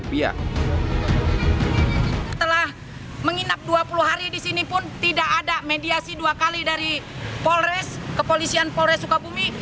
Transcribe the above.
setelah menginap dua puluh hari di sini pun tidak ada mediasi dua kali dari polres kepolisian polres sukabumi